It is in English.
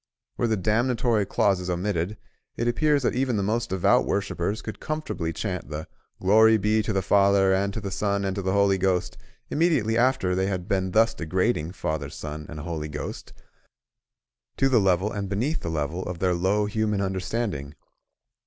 Were the damnatory clauses omitted, it appears that even the most devout worshippers could comfortably chant the "Glory be to the Father, and to the Son, and to the Holy Ghost" immediately after they had been thus degrading Father, Son, and Holy Ghost to the level and beneath the level of their low human understanding.